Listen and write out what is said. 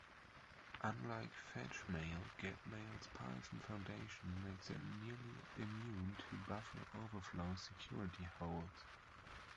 Unlike fetchmail, getmail's Python foundation makes it nearly immune to buffer overflow security holes.